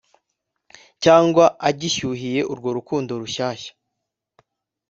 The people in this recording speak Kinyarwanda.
cyangwa agishyuhiye urwo rukundo rushyashya